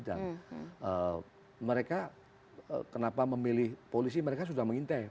dan mereka kenapa memilih polisi mereka sudah mengintai